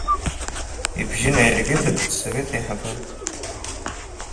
Ибжьы наиргеит ақыҭсовет аиҳабы.